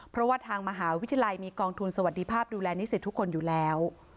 เพราะว่าทางมหาวิทยาลัยมีกองทุนสวัสดีภาพดูแลนิสิตทุกคนอยู่แล้ว